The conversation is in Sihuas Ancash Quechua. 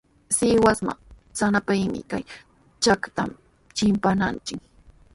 Sihuasman traanapaqmi kay chakatami chimpananchik.